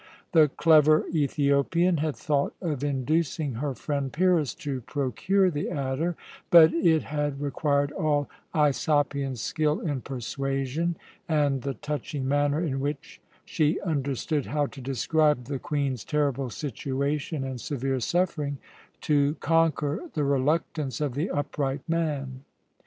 The clever Ethiopian had thought of inducing her friend Pyrrhus to procure the adder, but it had required all Aisopion's skill in persuasion, and the touching manner in which she understood how to describe the Queen's terrible situation and severe suffering, to conquer the reluctance of the upright man.